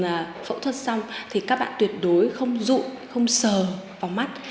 khi mà các bạn phẫu thuật xong thì các bạn tuyệt đối không rụng không sờ vào mắt